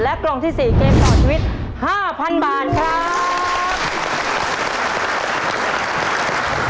กล่องที่๔เกมต่อชีวิต๕๐๐๐บาทครับ